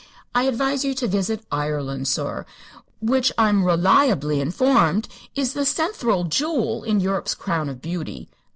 I advise you to visit Ireland, sor, which I'm reliably informed is the centhral jewel in Europe's crown of beauty.